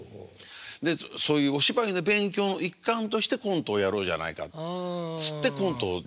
でそういうお芝居の勉強の一環としてコントをやろうじゃないかっつってコントを自分たちで。